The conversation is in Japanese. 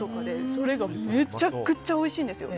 それがめちゃくちゃおいしいんですよ。